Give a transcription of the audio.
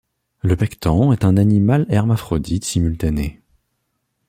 Le Pecten est un animal hermaphrodite simultané.